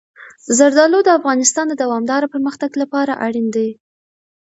زردالو د افغانستان د دوامداره پرمختګ لپاره اړین دي.